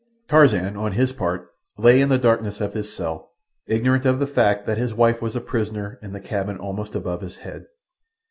Tarzan, on his part, lay in the darkness of his cell, ignorant of the fact that his wife was a prisoner in the cabin almost above his head.